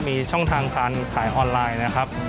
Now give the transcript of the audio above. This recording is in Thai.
มีช่องทางการขายออนไลน์นะครับ